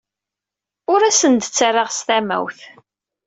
Ur asen-d-ttarraɣ s tamawt.